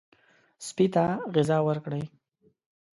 سپي ته غذا ورکړئ.